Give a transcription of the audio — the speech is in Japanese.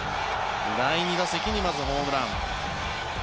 第２打席に、まずホームラン。